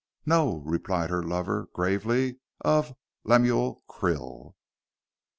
"No," replied her lover, gravely, "of Lemuel Krill."